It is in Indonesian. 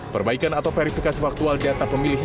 perbaikan atau verifikasi faktual data pemilih